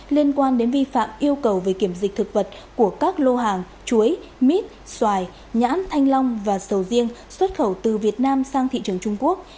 liên quan đến vi phạm yêu cầu về kiểm dịch thực vật của các lô hàng chuối mít xoài nhãn thanh long và sầu riêng xuất khẩu từ việt nam sang thị trường trung quốc